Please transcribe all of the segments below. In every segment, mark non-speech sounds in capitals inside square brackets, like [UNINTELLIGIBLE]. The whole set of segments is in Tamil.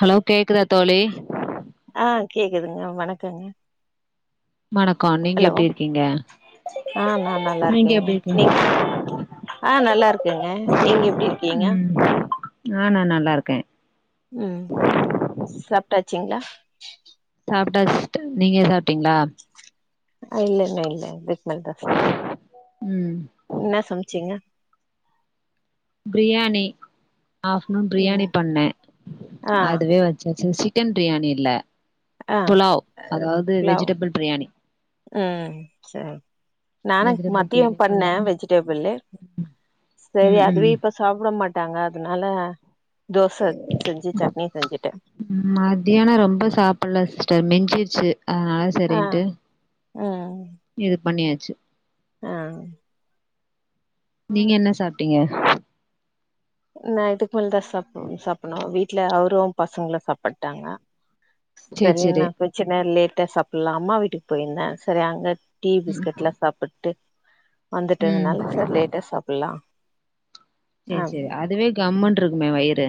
ஹலோ கேக்குதா தோழி ஆஹ் கேக்குதுங்க வணக்கங்க வணக்கோ நீங்க ஹலோ எப்டி இருக்கீங்க ஆஹ் நா நல்லா நீங்க இருக்கேங்க எப்டி இருக்கீங்க நீங் ஆஹ் நல்லா இருக்கேங்க நீங்க எப்டி இருக்கீங்க ஆஹ் நா நல்லா இருக்கே ச்சோளா சாப்டா சிஸ்டர் நீங்க சாப்டீங்களா ஆஹ் இல்லங்க இல்லங்கா இதுக்கு மேல தா சாப் ம் இன்ன சமச்சீங்க ப்ரியாணி ஆஃப்னூன் பிரியாணி ம் பண்ணே ஆ அதுவே வச்சாச்சு சிக்கன் பிரியாணி இல்ல ஆ புலாவ் அ அதாவது புலாவ் வெஜிடபிள் பிரியாணி ம் செரி நா வெஜிடபிள் மத்தியம் பிரியாணி பண்ணே வெஜிடபிளு செரி ம் அதுவே ம் இப்ப சாப்ட மாட்டாங்க அதனால தோச செஞ்சு சட்னி செஞ்சுட்டே ம் மதியானம் ரொம்ப சாப்ல சிஸ்டர் மெஞ்சிர் சு அதனால செரின்ட்டு ஆஹ் இது பண்ணியாச்சு ஆஹ் நீங்க என்ன சாப்டீங்க நா இதுக்கு டோ பசங்களா சாப்பாடாங்க சேரி செரின்னு சேரி பிரச்சன இல்ல ட்ட சாப்பில அம்மா வீட்டுக்கு போய்ருந்தே செரி அங்க டீ ம் பிஸ்கெட்லா சாப்பிட்டு வந்துட்டுதுனால ம் செரி லேட்டா சாப்பிலா சேரி சேரி அதுவே கம்முனு இருக்குமே வயிறு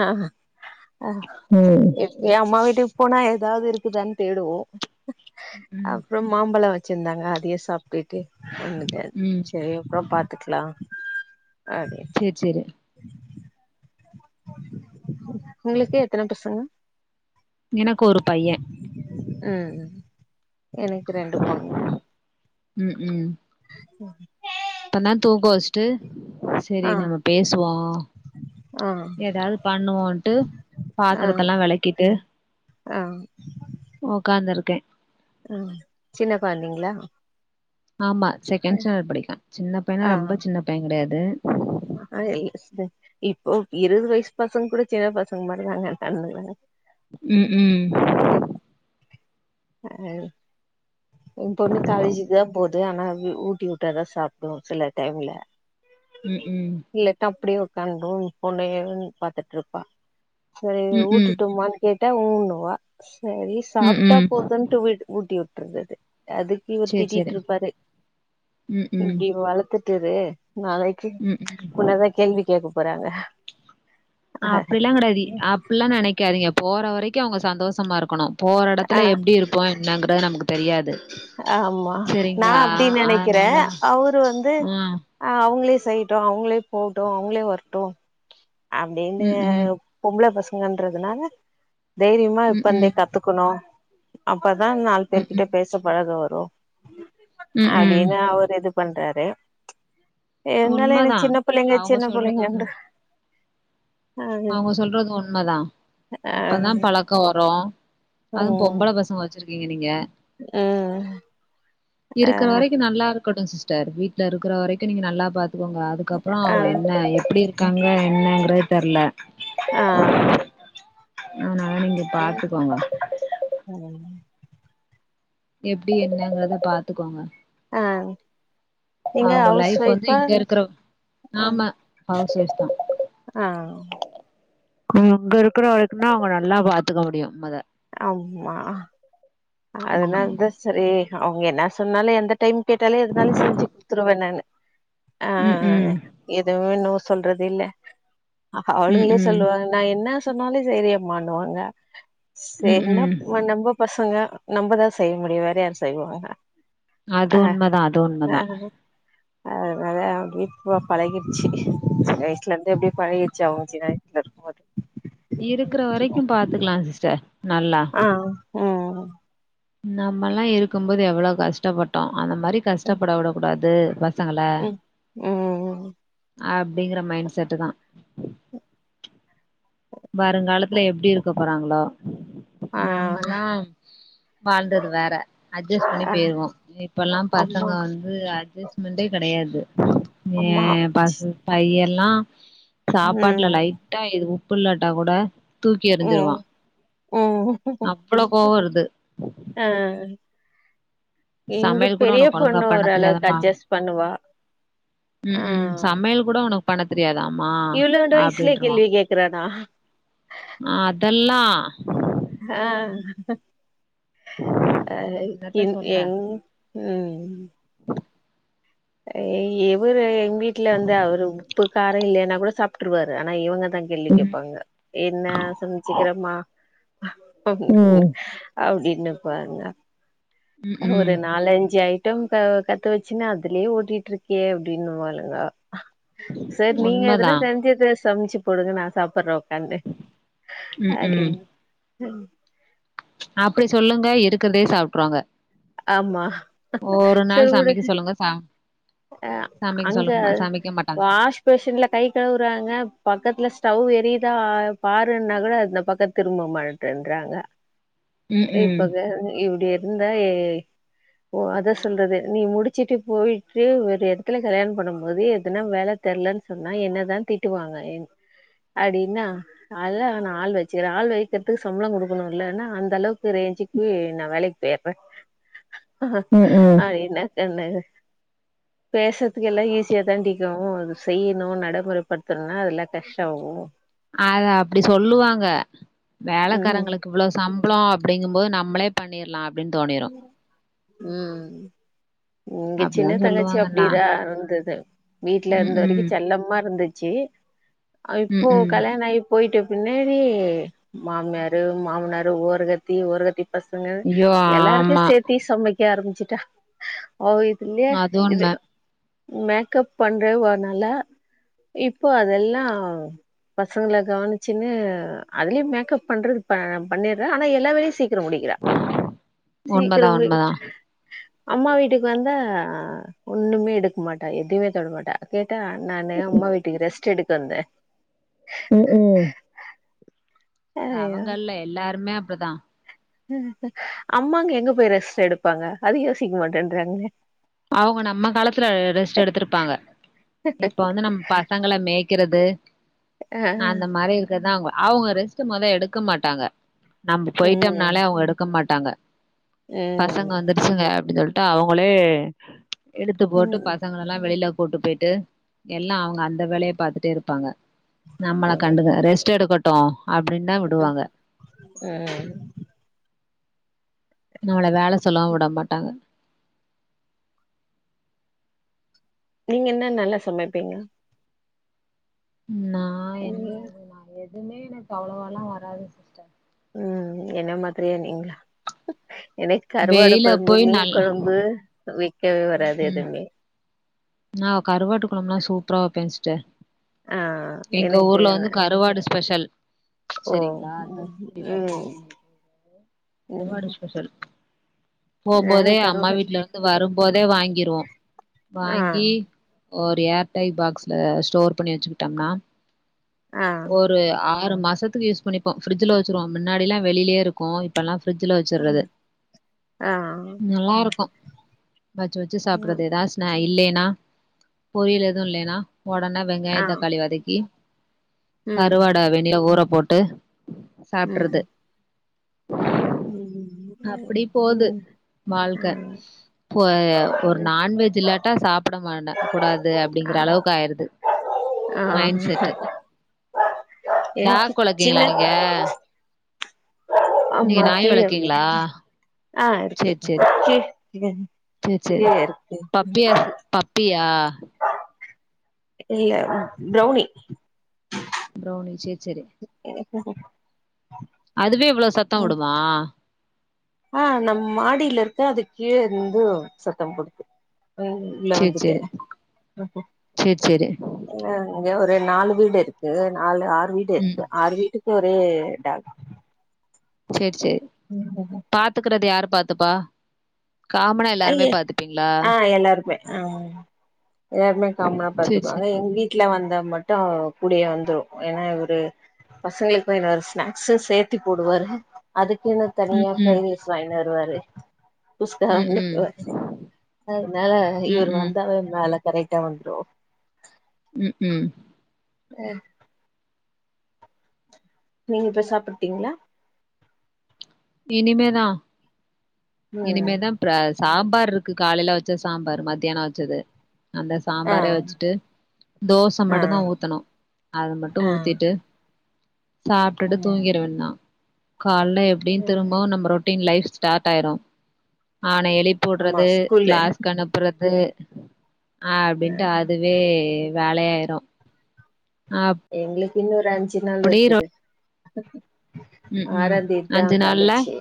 ஆ ம் எப்வே அம்மா வீட் போனா ஏதாவது இருக்குதானு தேடுவோ ம் அப்றோ மாம்பழம் வச்சிருந்தாங்க அதையு சாப் ட்டு வந்துட்டே ம் சேரி அப்றோ பாத்துக்கலா அப் சேரி சேரி உங்களுக்கு எத்தன பசங்க எனக்கு ஒரு பைய ம் ம் எனக்கு ரெண்டு பொண்ணு ம் ம் கோவிட் இப்பனா தூக்க வச்சுட்டு சரி ஆ நம்ம பேசுவோ ஆ ஏதாவது பண்ணுவோன்ட்டு ஆ பாத்திரத்தல்லா வெளக்கிட்டு ஆ உக்கார்ந்துருக்கே ஹ சின்ன கொழந்திங்ளா ஆமா செகண்ட் சேண்டட் படிக்கா சின்ன ஆ பையன ரொம்ப சின்ன பையன் கெடையாது இப்போ இருபது வயசு பசங்க கூட சின்ன பசங்க மாரிதாங்க இருகானுங ம் ம் அஹ்ஹே என் பொண்ணு காலேஜுக்கு தா போது ஆனா ஊட்டி வுட்டாதா சாப்பிடும் சில டைம்ல ம் ம் இல்லட்டா அப்டியே உக்காந்தும் போனயே பாத்துட்டுருப்பா செரி ம் ஊட்டுட்டுமான் கேட்டா ஊண்ணுவா சரி ம் ம் சாப்ட்டா ம் போதுன்ட்டு வி ஊட்டி விட்டுர்ரதது அதுக்கு இவர் சேரி திட்டிட்டு சேரி இருப்பாரு ம் ம் இப்படி வளர்த்துட்டுரு நாளைக்கு ம் ம் உன்னாதா கேள்வி கேட்க போறாங்க அப்டில்லா கெடையாது அப்ல்லா நெனைக்காதீங்க போற வரைக்கும் அவுங்க சந்தோஷமா இருக்கணு போற ஆ எடத்துல எப்டி இருப்பா என்னாங்கறது நமக்கு தெரியாது ஆமா நான் சரிங்களா? அப்டி நெனைக்கிறே அதனால அவரு வந்து ஆ அஹ் அவ்ங்ளே செய்யிடோ அவுங்களே போட்டு அவுங்களே வரட்டு செ அப்டின்னு ம்ஹ்ம். பொம்பள பசங்கன்றதுனால தைரியமா இப்பந்தே ம்ஹ்ம். கத்துக்கணு அப்பதான் நாலு பேர் கிட்ட ம்ஹ்ம். பேச பழக வரு லோ ம்ஹ்ம். அப்டின்னு அவரு இது பண்றாரு இருந்தாலு உண்மதா. எனக்கு சின்ன புள்ளைங்க அவங்க சின்ன புள்ளைங்கண்ற அவுங்க சொல்றது உண்மதா ஆ அப்பதான் பழக்கோ வரோ அதும் ம் பொம்பள பசங்க வச்சிருக்கீங்க நீங்க ம் ஆ இருக்குற வரைக்கு நல்லா இருக்கட்டும் சிஸ்டர் வீட்ல இருக்கிற வரைக்கும் நீங்க நல்லா பாத் த்துக்கோங்க அதுக்கப்புற ஆ அவங்க என்ன எப்படி இருக்காங்க என்னங்கறது தெர்ல ஆஹ் ஆனாலு நீங்க பாத்துக்கோங்க எப்டி என்னங்கிறத பாத்துக்கோங்க ஆ நீங்க அவுங்க ஹவுஸ் லைஃப் வந்து ஒய்ஃபா இங்க இருக்கிற ஆமா அவ் செர்தா ஆஹ் இங்க இருக்கிற வரைக்குந்தா அவங்க நல்லா பாத்துக்க முடியு மொத ம்மா அதனால ம் தா செரி அவுங்க என்ன சொன்னாலும் எந்த டைம் கேட்டாலு எதுனாலும் செஞ்சு குடுத்துருவே நானு ம் ஆஹ் ம் எதுவ்மே னோ சொல்றது இல்ல ஹ அவளுங்களே ம் ம் சொல்லுவாங்க நா என்ன சொன்னாலு செய்றியேம்மாண்ணுவாங்க ம் செரினா ம் ன்னப் நம்ப பசங்க நம்மதா செய்ய முடியு வேற யாரு செய்வாங்க அது ஆ உண்மதா அது ஆ உண்மதா அதனால அப்டி போ பழகிடுச்சு சின்ன வயசுலந்தே அப்டி பழகிர்ச்சு அவுங்க சின்னவய்ஸ்ல இருக்கும்போதே இருக்குற வரைக்கும் பாத்துக்கலா சிஸ்டர் நல்லா ஆஹ் உம் ம் நம்மல்லா இருக்கும் போது எவ்ளோ கஷ்டப்பட்டோம் அந்த மாரி கஷ்டப்பட வுடக் கூடாது வஸ் ம் ம்ம்ம் அப்டிங்கற மைண்ட் செட்டு தா வருங்காலத்துல எப்டி இருக்க போறாங்களோ ஆ நம்மல்லா வாழ்ந்தது வேற அட்ஜஸ்ட் பண்ணி போயிருவோ இப்பல்லா அம்மா பசங்க வந்து அட்ஜஸ் மண்டே கிடையாது அம்மா ஏன் பசு பைய எல்லாம் சாப்பாட்டுல ம் லைட்டா எது உப்பு இல்லாட்டா கூட தூக்கி ம் எறிஞ்சிருவான் ம் அவ்வளோ கோவம் வருது ஆ எங்க சமையல் கூட பெரிய உனக்கு ஒழுங்கா பொண்ணு பண்ண ஓரளவுக்கு தெரியாதுன்பா அட்ஜஸ்ட் பண்ணுவா ஆ உம் உம் சமையல் கூட உனக்கு பண்ண தெரியாதாமா இவ்ளோண்டு வயசுலே கேள்வி அப்படின்றுவான் கேக்குறானா ஆஹ் அதெல்லாம் ஆஹ் அஹ் என்னத்த எ சொல்ல எங் உம் எவரு எங்க வீட்டுல வந்து அவரு உப்பு காரம் இல்லன்னா கூட சாப்பிட்டுருவாரு ஆனா இவுங்க த்தான் கேள்வி கேட்பாங்க என்ன சமச்சுக்கிறமா ம் அப்படின்னுபாங்க ஒரு ம் நாலஞ்சு ஐட்டம் கத்து வச்சுன்னா இதுலே ஓட்டிட்டு இருக்கியே அப்படின்னு வாளுங்க சரி நீங்க எதுனா உண்மதா தெரிஞ்சத சமச்சு போடுங்க நா சாப்பிடுறேன் உக்காந்து ம் ம் அப்டின் அப்டி சொல்லுங்க இருக்கிறதே சாப்டுருவாங்க ஆமா சரி சமைக்க வுடுங்க சொல்லுங்க ச அஹ் சமைக்க அங்க சொல்ல சமைக்க மாட்டாங்க வாஷ்ஃபேஷன்ல கை கழுவுறாங்க பக்கத்துல ஸ்டவ் போ எரியுதா பாருன்னா கூட அந்த பக்கம் திரும்ப மாட்டன்றாங்க ம் ம் இப்பதா இப்படிய இந்தா ஓ அத சொல்றது நீ முடிச்சிட்டு போய் ஒரு இடத்துல கல்யாணம் பண்ணும் போது எதுனா வேல தெரிலன்னு சொன்னா என்னதான் திட்டுவாங்க அப்டின்னா அதெல்லா நா ஆள் வச்சுக்கிறேன் ஆள் வைக்கிறதுக்கு சம்பளம் கொடுக்கணும்லனா அந்த அளவுக்கு ரே [UNINTELLIGIBLE] நான் வேலைக்கு போயிறேன் ம் ம் என்ன சொன்ன பேசுறதுக்கு எல்லாம் ஈஸியா தான்டி இக்கும் அத செய்யணும் நடைமுறைப்படுத்தணும்னா அதெல்லாம் கஷ்டம் அத அப்டி சொல்லுவாங்க ம் வேலக்காரங்களுக்கு இவ்வளவு சம் பளம் அப்டிங்கும்போது நம்மளே பண்ணிடலாம் அப்படின்னு தோனிரும் உம் இங்க அப்டிதா சின்ன தங்கச்சி சொல்லுவாங்கன்னா அப்படிதான் இருந்தது வீட்ல ம் இருந்த ம் வரைக்கும் செல்லமா இருந்துச்சு இப்போ ம் ம் கல்யாணம் ஆய் போய்ட்ட பின்னாடி மாமியாரு மாமனாரு ஓரகத்தி ஓரகத்தி பசங்க ஐயோ எல்லாருக்குமே ஆமா சேத்தி சமைக்க ஆரம்பிச்சுட்டா ஓ இதுல்லே அது இ உண்ம மேக்கப் பண்றேனால இப்போ அதெல்லாம் பசங்கள கவனிச்சின்னு அதுலயும் மேக்கப் பண்றது பண்ணிடுறேன் ஆனா எல்லா வேலையும் சீக்கிரம் முடிக்கிறா உண்மதா சீக்கிரம் வி உண்மதா அம்மா வீட்டுக்கு வந்தா ஒண்ணுமே எடுக்க மாட்டா எதுமே தொட மாட்டா கே கேட்டா நானு அம்மா வீட்டுக்கு ரெஸ்ட் எடுக்க வந்தேன் உம் உம் அது அவுங்க இல்ல எல்லாருமே அப்படிதான் ஹ அம்மாங்க எங்க போய் ரெஸ்ட் எடுப்பாங்க அத யோசிக்க மாட்டேன்றாங்க அவுங்க நம்ம காலத்துல ரெஸ்ட் எடுத்திருப்பாங்க இப்ப வந்து நம்ம பசங்களை மே ய்க்கிறது ஆ அந்த மாதிரி இருக்குறதுதான் அவுங்க அவுங்க ரெஸ்ட் மொத எடுக்க மாட்டாங்க நம்ம ம் போயிட்டோம்னாலே அவுங்க எடுக்க மாட்டாங்க பசங்க ம் வந்துடுச்சுங்க அப்படின் சொல்லி ட்டு அவுங்களே எடுத்து போட்டு ம் பசங்கள எல்லாம் வெளியில கூட்டு போயி ட்டு எல்லாம் அவுங்க அந்த வேலய பாத்துட்டே இருப்பாங்க நம்மள ம் கண்டுக்க ரெஸ்ட் எடுக்க அப்படின் தான் விடுவாங்க ம் நம்மள வேல சொல்ல விட மாட்டாங்க நீங்க என்ன நல்லா சமைப்பீங்க நா நீங்க என்ன அ நா எதுவுமே எனக்கு அவ்வளவா எல்லாம் வராது சிஸ்டர் உம் என்ன மாதிரியே நீங்க எனக்கு கருவாடு வெளில கொழம்பு போய் மீன் நல் கொழம்பு வக்கவே ம் வராது ம் எதுமே நா கருவாட்டு கொழம்லா சூப்பரா வப்பே ஸ்டர் ஆ எங்க எனக்கு ஊர்ல ந வந்து கருவாடு ஸ்பெஷல் ஓ செரிங்ளா ம் தூத்துக்குடி பக்கோ [UNINTELLIGIBLE] ம் கருவாடு ம் ஸ்பெஷல் நான் போம்போதே அம்மா கருவாப்பட்ல வீட்ல இருந்து வரும்போதே வாங்கிருவோ ஆ வாங்கி ஒரு ஏர்டை பாக்ஸ்ல ஸ்டோர் பண்ணி வச்சுக்கிட்டம்னா ஆ ஒரு ஆ ஆறு மாசத்து யூஸ் பண்ணிப்போ ஃப்ரிஜ்ல வச்சிருவோ மின்னாடிலா வெளிலியே இருக்கு இப்பலா பிரிஜ்ல ஆ வச்சர்றது நல்லாருக்கு வச்சு வச்சு சாப்பிட்றது எதாஸ் இல்லைனா பொரியல் எதுவு இல்லைனா ஒடன வெங்காய ஆ தக்காளி வதக்கி ம் கருவாட வெண்ணில ஊற போட்டு சாப்டர்றது உம் உம் மாழ்க பு ஒரு நான்வெஜ் இல்லாட்டா சாப்ட மாட்ட குடாது ஆ அப்டிங்கிற அளவுக்கு ஆயிருது ஆ மைண்ட் செட்டு எனக்கு டாக் சின்ன வளக்கீங்களா நீங்க நீங்க ஆமா நாய் கீழ வீடு வளக்கீங்ளா ஆ சே இருக்கு சேரி கீழ சே சே கீழ இருக்கு பப்பியஸ் பப்பிய ஆ இல்ல பிரவ்னி பிரவ்னி சேச்செரி [UNINTELLIGIBLE] அதுவே இவ்வளவு சத்த வுடுமா ஆ நம் மாடில இருக்க அது கீழ இருந்து சத்த போடுது உ உள்ள சேரி வந்துட்டே சேரி சேரி சேரி [UNINTELLIGIBLE] ஒரு நாலு வீடு இருக்கு நாலு ஆறு வீடு ம் இக்கு ஆறு வீட்டுக்கு ஒரே டாக் சேரி சேர் பாத்துக்கறது யாரு பாத்துப்பா காமனா அய்ய எல்லாருமே பாத்துப்பீங்களா ஆ எல்லாருக்குமே ஆ யாமே காம்னா சேரி பாத்துப்பாங்க சேரி எங்க வீட்ல வந்தா மட் ட்டு கூடியே வந்துரு ஏனா இவுரு பசங்ளுக்கு வாய்ன்டு வர ஸ்நாக்ஸு சேத்தி போடுவாரு அதுக் இன்னுத் ம் தனியா பிரை ம் ரைஸ் வாய்ன் வருவாரு குஸ்கா ம் வாய்ன்ட் ம் வருவாரு அதனால ம் இவரு ம் வந்தாவே மேல கரெக்டா வந்துரு [UNINTELLIGIBLE] [UNINTELLIGIBLE] நீங்க இப்ப சாப்பிட்டீங்ளா இனிமேதா ம் இனிமேதா ப்ரேஸ் சாம்பார்ருக்கு காலைல வச்ச சாம்பாரு மத்தியான வச்சது அந்த ஆ சாம்பாரே வச்சுட்டு தோச ஆ மட்டுதா ஊத்தணு அத மட்டு ஆ ஊத்திட்டு சாப்டுட்டு ம் தூங்கிருவன்னா கால்ல எப்டின் ம் திரும்பவு நம்ப ரொட் டின் லைஃப் ஸ்டார்ட்டாயிரு ஆனை ஆமா எலிப்பூட்றது ஸ்கூல்லு கிளாஸ்சுக்கனுப்புறது ஆ அப்டின்ட்டு அதுவே வேலையாயிரு எங்ளுக்கு இன்னு ஒரு அஞ்சு நாள் அப்டி ரொ இருக்குது ம் ம் ஆறாந்தேதிதா அஞ்சு நாள்ல காலேஜி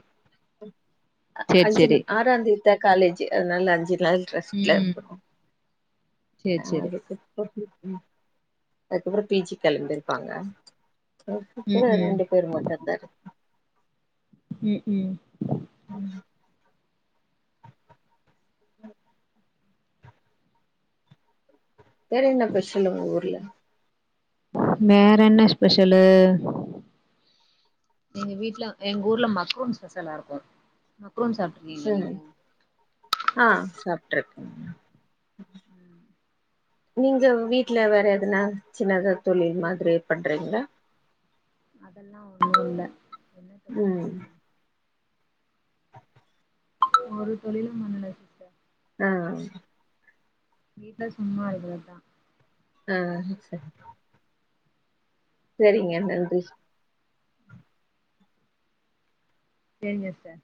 சேர் அஞ்சின் சேரி ஆறாந்தேதிதா காலேஜி அதனால அஞ்சின் ம் ம் சேர் சேரி [UNINTELLIGIBLE] ம் அதுக்கப்ற பி ஜி கெளம்பிருப்பாங்க ம் [UNINTELLIGIBLE] ம் ரெண்டு பேரு மட்டுந்தா இருப்பாங்க உம் உம் ம் உம் வேறென்ன பெஷல் உங்க ஊர்ல வேறென்ன ஸ்பெஷலு எங்க வீட்ல எங்கூர்ல மக்ரோன் ஸ்பெஷலா இருக்கு மக்ரூன் சாப்ட்ருக்கீங்களா ம் நீங்க ஆ சாப்ட்ருக்கே நீங்க வீட்ல வேறெதுனா சின்னதா தொழில் மாதிரி பண்றிங்ளா அதெல்லா ஒண்ணு இல்ல என்ன தொழில் ம் பண்ண ஒரு தொழிலு பண்ணுல சிஸ்டர் ஆ வீட்ல சும்மா இருக்கறதா ஆ சரி சரிங்க நன்றி சரிங்க ஸ்டர்